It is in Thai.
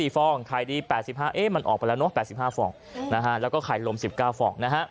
ฟองไข่ดี๘๕มันออกไปแล้วเนอะ๘๕ฟองแล้วก็ไข่ลม๑๙ฟองนะฮะ